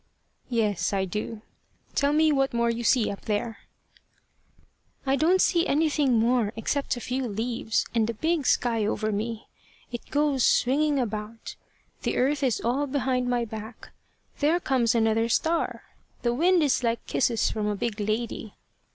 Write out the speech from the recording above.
"Yes, I do. Tell me what more you see up there." "I don't see anything more, except a few leaves, and the big sky over me. It goes swinging about. The earth is all behind my back. There comes another star! The wind is like kisses from a big lady.